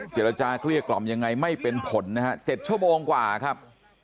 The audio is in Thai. เจรจาเกลี้ยกล่อมยังไงไม่เป็นผลนะฮะ๗ชั่วโมงกว่าครับ